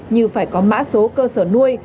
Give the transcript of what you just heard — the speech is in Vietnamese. như phải có mã số cơ sở nuôi